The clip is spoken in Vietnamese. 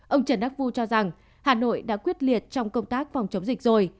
ông trần đắc phu cho rằng hà nội đã quyết liệt trong công tác phòng chống dịch rồi